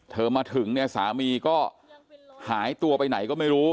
มาถึงเนี่ยสามีก็หายตัวไปไหนก็ไม่รู้